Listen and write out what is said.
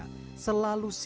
selalu selalu dipercaya